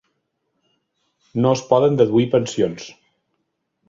No es poden deduir pensions.